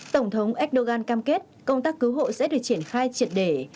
tổng thống erdogan cam kết công tác cứu hộ sẽ được triển khai triệt để